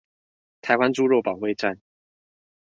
台灣豬肉保衛戰